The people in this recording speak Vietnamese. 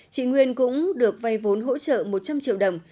chị nguyên cũng được vay vốn hỗ trợ một trăm linh triệu đồng